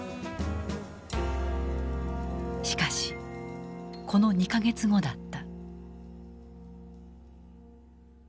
しかしこの２か月後だった。